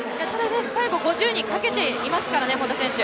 最後、５０にかけていますからね、本多選手。